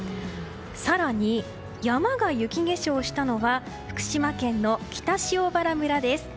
更に山が雪化粧したのは福島県の北塩原村です。